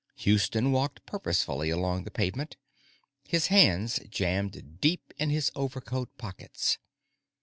David Houston walked purposefully along the pavement, his hand jammed deep in his overcoat pockets.